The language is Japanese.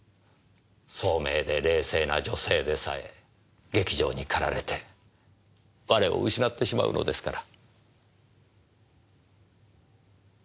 聡明で冷静な女性でさえ激情にかられて我を失ってしまうのですから。